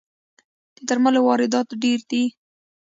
د درملو واردات ډیر دي